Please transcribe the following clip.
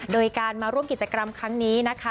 โดยการมาร่วมกิจกรรมครั้งนี้นะคะ